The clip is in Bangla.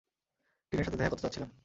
ডিনের সাথে দেখা করতে যাচ্ছিলাম।